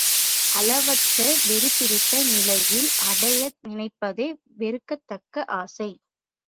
அளவற்று வெறி பிடித்த நிலையில் அடைய நினைப்பதே வெறுக்கத் தக்க ஆசை.